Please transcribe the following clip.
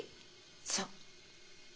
そう。